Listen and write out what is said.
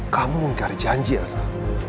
kamu menggari janji azhar